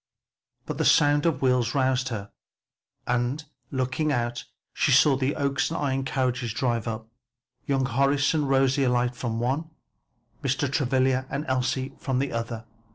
But the sound of wheels roused her and looking out she saw the Oaks and Ion carriages drive up, young Horace and Rosie alight from the one, Mr. Travilla and Elsie from the other.